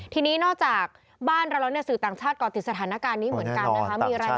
ทีนี้นอกจากบ้านเราแล้วสื่อต่างชาติก่อติดสถานการณ์นี้เหมือนกันนะคะ